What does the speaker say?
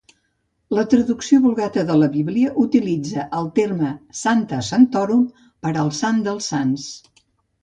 La traducció Vulgata de la Bíblia utilitza el terme "Sancta sanctorum" per al Sant dels Sants.